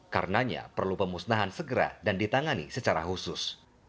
karena perlu pemusnahan segera dan ditangani secara khusus